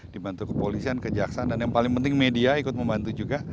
dibantu kepolisian kejaksaan dan yang paling penting media ikut membantu juga